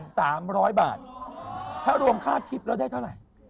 จริงถ้าร่วมค่าทิศแล้วได้เท่าไหร่